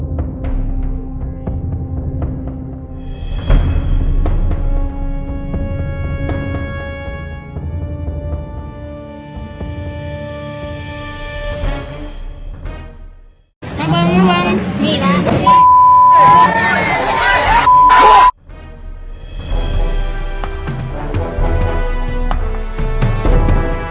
แนะนำอาหารต่างแล้ว